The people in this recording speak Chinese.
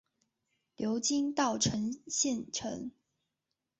流经稻城县城。